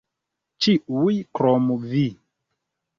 Ĉiuj krom Vi.